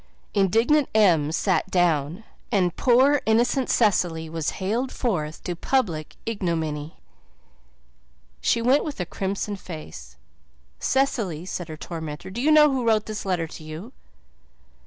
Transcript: Indignant Em sat down and poor, innocent Cecily was haled forth to public ignominy. She went with a crimson face. "Cecily," said her tormentor, "do you know who wrote this letter to you?"